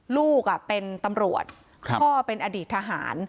ลูกเป็นตำรวจพ่อเป็นอดีตทหาร